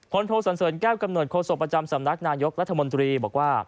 คนโทรส่วนเสริมแก้วกำหนดโค้งส่งประจำสำนักนายกรัฐมนตรีบอกว่า